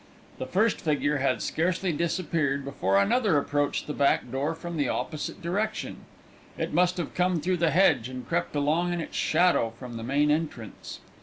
The first figure had scarcely disappeared before another approached the back door from the opposite direction. It must have come through the hedge and crept along in its shadow from the main entrance.